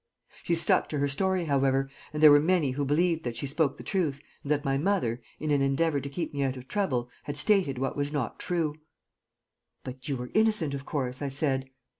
She stuck to her story, however, and there were many who believed that she spoke the truth and that my mother, in an endeavor to keep me out of trouble, had stated what was not true." "But you were innocent, of course?" I said.